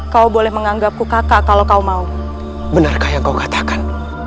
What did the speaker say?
kau boleh menganggapku kakak kalau kau mau benarkah yang kau katakan